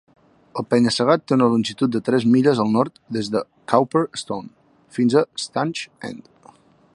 El penya-segat té una longitud de tres milles al nord des de Cowper Stone fins a Stanage End.